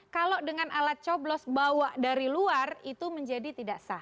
kalau dengan alat coblos bawa dari luar itu menjadi tidak sah